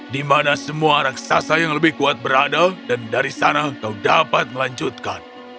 di mana semua raksasa yang lebih kuat berada dan dari sana engkau dapat melanjutkan